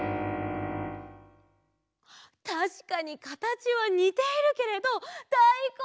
たしかにかたちはにているけれどだいこんじゃないんです！